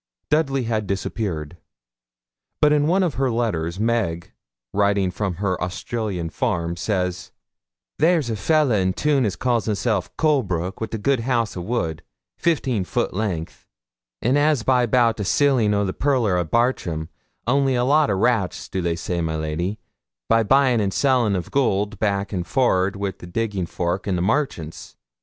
Dudley had disappeared; but in one of her letters, Meg, writing from her Australian farm, says: 'There's a fella in toon as calls hisself Colbroke, wi' a good hoose o' wood, 15 foot length, and as by 'bout as silling o' the pearler o' Bartram only lots o' rats, they do say, my lady a bying and sellin' of goold back and forred wi' the diggin foke and the marchants.